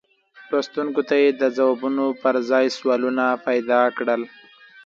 لوستونکو ته یې د ځوابونو پر ځای سوالونه پیدا کړل.